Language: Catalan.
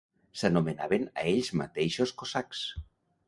S'anomenaven a ells mateixos "cosacs".